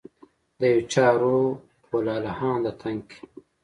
د یو چا روح و لا لهانده تن کي